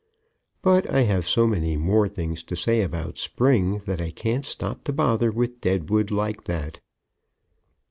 But I have so many more things to say about Spring that I can't stop to bother with deadwood like that.